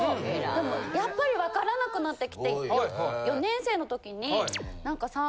でもやっぱり分からなくなってきて４年生の時に何か。